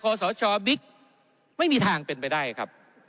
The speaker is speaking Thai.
ผู้ยิ่งใหญ่น้องชายคศบิ๊กไม่มีทางเป็นไปได้ครับ